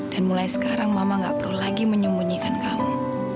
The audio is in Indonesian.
mulai sekarang mama gak perlu lagi menyembunyikan kamu